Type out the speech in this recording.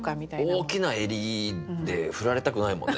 大きな襟で振られたくないもんね。